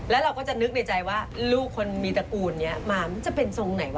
แล้วเราก็จะนึกในใจว่าลูกคนมีตระกูลนี้ล่ะมัน